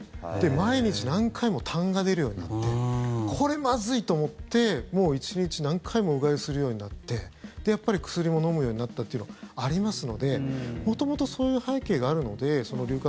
毎日何回もたんが出るようになってこれ、まずいと思ってもう１日何回もうがいをするようになってやっぱり薬も飲むようになったっていうのありますので元々、そういう背景があるので龍角